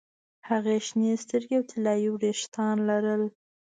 هغې شنې سترګې او طلايي ویښتان لرل